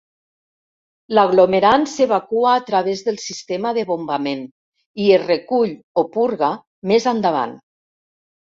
L'aglomerant s'evacua a través del sistema de bombament i es recull o purga més endavant.